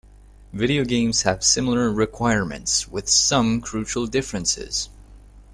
Video games have similar requirements, with some crucial differences.